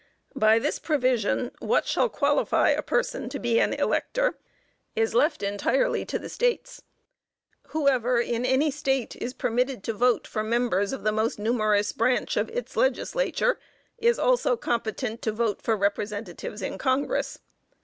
By this provision, what shall qualify a person to be an elector, is left entirely to the States. Whoever, in any State, is permitted to vote for members of the most numerous branch of its legislature, is also competent to vote for Representatives in Congress.